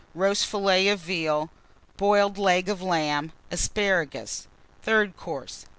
Roast Fillet of Veal. Boiled Leg of Lamb. Asparagus. THIRD COURSE.